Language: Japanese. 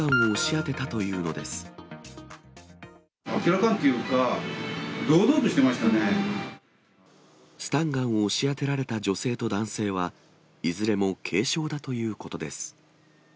あっけらかんというか、スタンガンを押し当てられた女性と男性は、いずれも軽傷だということです。